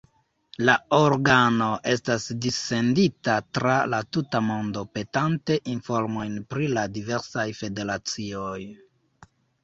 La organo estas dissendita tra la tuta mondo petante informojn pri la diversaj federacioj.